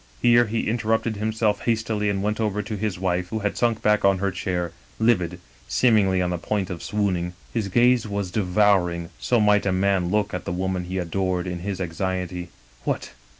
Here he interrupted himself hastily and went over to his wife, who had sunk back on her chair^ livid, seemingly on the point of swooning. " His gaze was devouring; so might a man look at the woman he adored, in his anxiety. "'What!